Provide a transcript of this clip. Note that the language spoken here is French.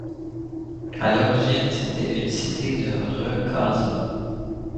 À l'origine c'était une cité de recasement.